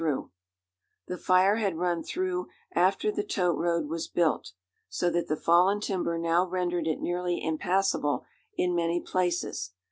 The fire had run through after the tote road was built, so that the fallen timber now rendered it nearly impassable in many places.